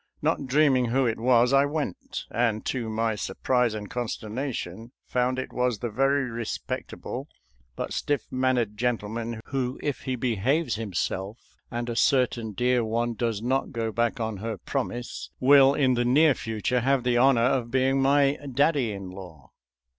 Not dreaming who it was, I went, and to my surprise and consterna tion found it was the very respectable but stiff mannered gentleman who, if he behaves himself 284 SOLDIER'S LETTERS TO CHARMING NELLIE and a certain dear one does not go back on her promise, will in the near future have the honor of being my daddy in law.